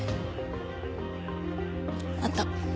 あった。